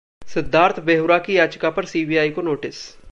सिद्धार्थ बेहुरा की याचिका पर सीबीआई को नोटिस